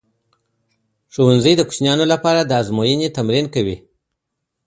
ښوونځی د کوچنیانو لپاره د ازمويني تمرین کوي.